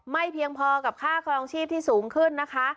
เพียงพอกับค่าครองชีพที่สูงขึ้นนะคะ